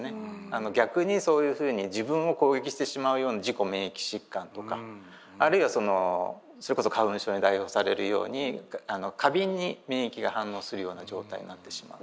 逆にそういうふうに自分を攻撃してしまうような自己免疫疾患とかあるいはそのそれこそ花粉症に代表されるように過敏に免疫が反応するような状態になってしまうと。